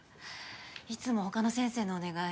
いつも他の先生のお願い